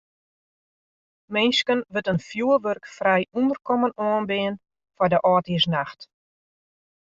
Minsken wurdt in fjoerwurkfrij ûnderkommen oanbean foar de âldjiersnacht.